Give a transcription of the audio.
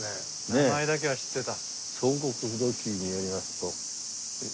名前だけは知ってた。